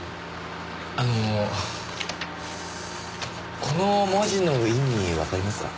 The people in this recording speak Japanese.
あのこの文字の意味わかりますか？